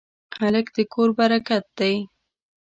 هلک د کور برکت دی.